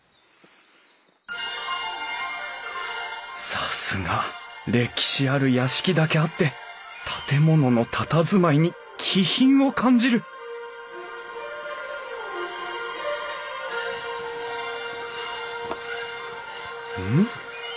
さすが歴史ある屋敷だけあって建物のたたずまいに気品を感じるうん？